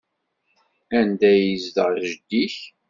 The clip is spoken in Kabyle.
Anda ay yezdeɣ jeddi-k?